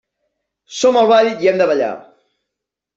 Som al ball i hem de ballar.